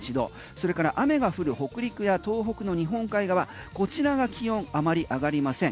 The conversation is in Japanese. それから雨が降る北陸や東北の日本海側こちらが気温あまり上がりません。